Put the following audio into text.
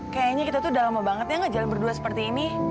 kayaknya kita tuh udah lama banget ya gak jalan berdua seperti ini